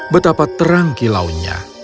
betapa terang kilaunya